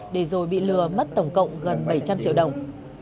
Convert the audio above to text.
để rồi bị lừa mất tổng cộng gần bảy trăm linh triệu đồng